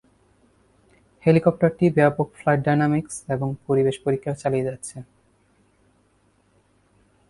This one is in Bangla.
হেলিকপ্টারটি ব্যাপক ফ্লাইট-ডাইনামিক্স এবং পরিবেশ পরীক্ষা চালিয়ে যাচ্ছে।